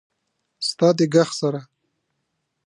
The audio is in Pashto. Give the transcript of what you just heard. ستا د ږغ سره…